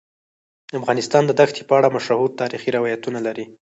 افغانستان د ښتې په اړه مشهور تاریخی روایتونه لري.